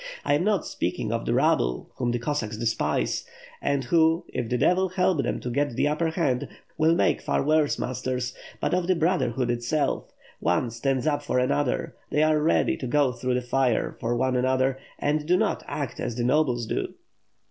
I am not speak ing of the rabble, whom the Cossacks despise; and who, if the devil help them to get the upper hand, will make far worse masters; but of the brotherhood itself. One stands up for another, they are ready to go through fire for one another, and do not act as the nobles do."